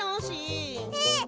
えっ！？